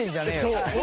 そう。